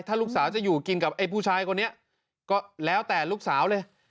ถ้าลูกสาวจะอยู่กินกับไอ้ผู้ชายคนนี้ก็แล้วแต่ลูกสาวเลย